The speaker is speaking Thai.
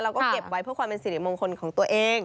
เราก็เก็บไว้เพื่อความสิริมงคลของตัวเอง